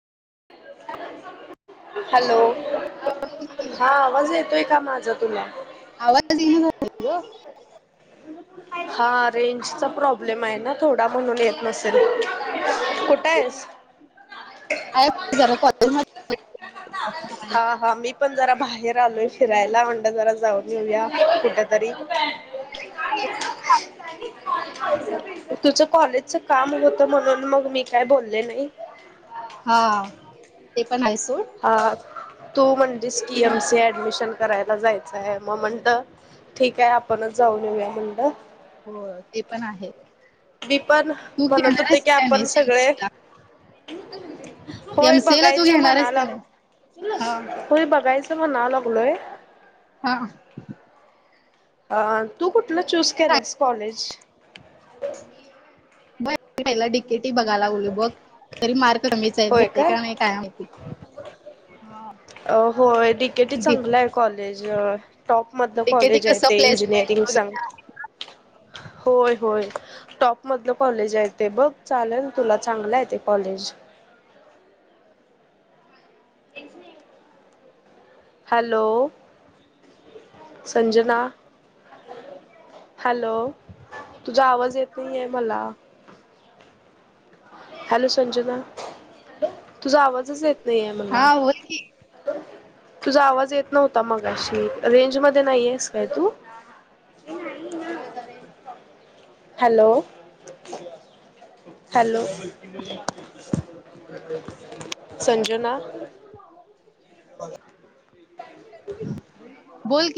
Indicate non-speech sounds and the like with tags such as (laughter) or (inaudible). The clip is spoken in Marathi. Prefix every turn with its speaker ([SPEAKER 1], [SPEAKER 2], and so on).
[SPEAKER 1] हॅलो... हा.. आवाज येतोय का माझा तुला.
[SPEAKER 2] आवाज.. इना.. झालाय.. ग.....
[SPEAKER 1] (unintelligible) हा... रेंजचा प्रॉब्लेम आहे ना थोडा. म्हणून येत नसेल. कुठे आहेस?
[SPEAKER 2] आहे. बग.. जरा कॉलेज मध्ये...
[SPEAKER 1] हा -हा.. मी पण जरा बाहेर आलोय फिरायला म्हटलं जरा जाऊन घेऊया कुठ तरी. तुझं कॉलेज.... च काम होत म्हणून मग मी काय बोलले नाही.
[SPEAKER 2] हा... ते पण आहे सोड.
[SPEAKER 1] हा.. तू म्हणलीस की एम. सी. ए. ऍडमिशन करायला जायचं आ हे. म... म्हणटल... ठीक आहे. आपणच जाऊन येऊया. म्हणटल.
[SPEAKER 2] होय. ते.. पण आ हे.
[SPEAKER 1] मी पण. म्हणत होते की
[SPEAKER 2] नाही
[SPEAKER 1] आपण सगळे...
[SPEAKER 2] एमसीला
[SPEAKER 1] होय
[SPEAKER 2] एमसीला तू
[SPEAKER 1] बघायचं.
[SPEAKER 2] घेणार
[SPEAKER 1] म्हणाय
[SPEAKER 2] आहेस का नाही हा
[SPEAKER 1] लागलोय.
[SPEAKER 2] हा...
[SPEAKER 1] अ तू कुठलं चूस केलयसं कॉलेज
[SPEAKER 2] बर ला डिकेटी बघायला बोल बघ तरी मार्क कमीच आहेत भेटे का नाही काय माहिती. हा.
[SPEAKER 1] अ होय डि के टी
[SPEAKER 2] डी-
[SPEAKER 1] चांगलयं कॉलेज. टॉप मधलं
[SPEAKER 2] डीकेटी
[SPEAKER 1] कॉलेज आहे
[SPEAKER 2] कसं
[SPEAKER 1] ते
[SPEAKER 2] प्लेसमेंट
[SPEAKER 1] इंजिनिअरिंगचं
[SPEAKER 2] वगैरे आहे.
[SPEAKER 1] होय होय. टॉप मधलं कॉलेज आहे तेे बघ चालेल तुला चांगलं आहे तेे कॉलेज. हॅलो संजना. हॅलो तुझा आवाज येत नाहीये मला. हॅलो संजना तुझा आवाजच येत नाही आहे मला.
[SPEAKER 2] हा बोल की
[SPEAKER 1] तुझा आवाज येत नव्हता मगाशी अशी रेंज मध्ये नाहीयेस काय तू? हॅलो. हॅलो संजना.
[SPEAKER 2] बोल की.